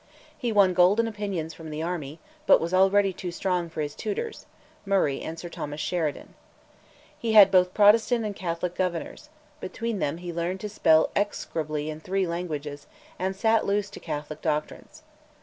He won golden opinions from the army, but was already too strong for his tutors Murray and Sir Thomas Sheridan. He had both Protestant and Catholic governors; between them he learned to spell execrably in three languages, and sat loose to Catholic doctrines.